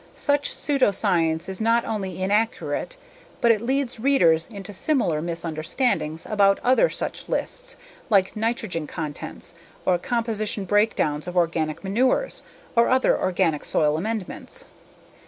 Such pseudoscience is not only inaccurate but it leads readers into similar misunderstandings about other such lists, like nitrogen contents, or composition breakdowns of organic manures, or other organic soil amendments.